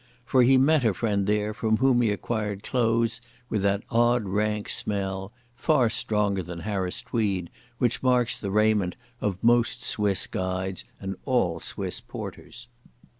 For he met a friend there from whom he acquired clothes with that odd rank smell, far stronger than Harris tweed, which marks the raiment of most Swiss guides and all Swiss porters.